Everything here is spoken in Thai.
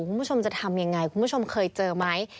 คุณผู้ชมจะทำยังไงคุณผู้ชมเคยเจอไหม